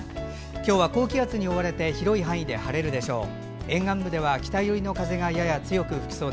今日は高気圧に覆われて広い範囲で晴れるでしょう。